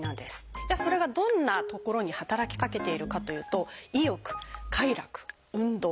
じゃあそれがどんな所に働きかけているかというと「意欲」「快楽」「運動」。